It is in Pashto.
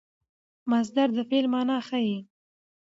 مصدر د فعل مانا ښيي.